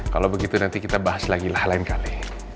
kalau begitu nanti kita bahas lagi lah lain kali